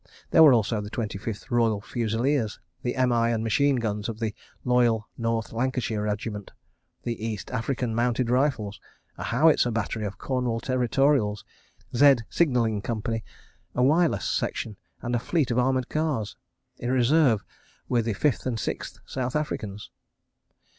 There were also the 25th Royal Fusiliers, the M.I. and machine guns of the Loyal North Lancashire Regiment, the East African Mounted Rifles, a Howitzer Battery of Cornwall Territorials, "Z" Signalling Company, a "wireless" section, and a fleet of armoured cars. In reserve were the 5th and 6th South Africans.